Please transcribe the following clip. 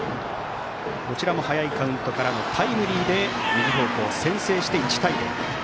こちらも早いカウントからのタイムリーで先制、１対０。